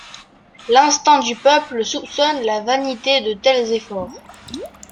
L'instinct du peuple soupçonne la vanité de tels efforts.